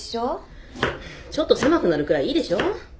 ちょっと狭くなるくらいいいでしょ？